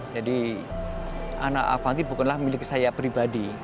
jadi ana avanti bukanlah milik saya pribadi